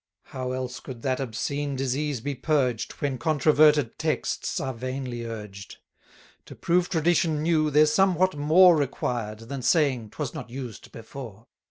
How else could that obscene disease be purged, When controverted texts are vainly urged? To prove tradition new, there's somewhat more Required, than saying, 'twas not used before.